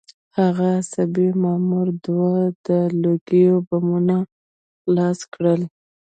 هغه عصبي مامور دوه د لوګي بمونه خلاص کړل